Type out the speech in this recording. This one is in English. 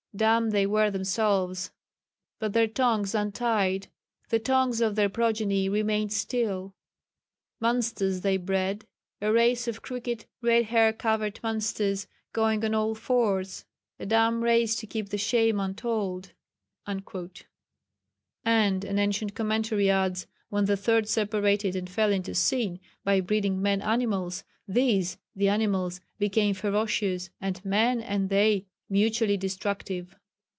Dumb they were themselves. But their tongues untied. The tongues of their progeny remained still. Monsters they bred. A race of crooked red hair covered monsters going on all fours. A dumb race to keep the shame untold." (And an ancient commentary adds 'when the Third separated and fell into sin by breeding men animals, these (the animals) became ferocious, and men and they mutually destructive.